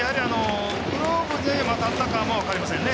グローブに当たったかも分かりませんね。